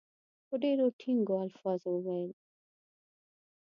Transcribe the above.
په ډېرو ټینګو الفاظو وویل.